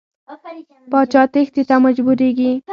پاچا تېښتې ته مجبوریږي.